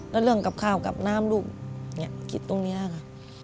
แล้วเรื่องกับข้าวกับน้ำลูกคิดตรงนี้ค่ะ